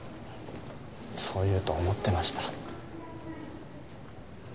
そう言うと思ってました。